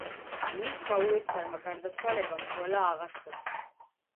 მისმა უეცარმა გარდაცვალებამ ყველა აღაშფოთა.